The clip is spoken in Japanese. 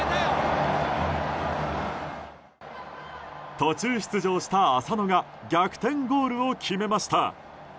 途中出場した浅野が逆転ゴールを決めました。